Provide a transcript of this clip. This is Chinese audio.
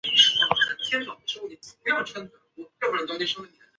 越南使者与朝鲜使者在中国会面时。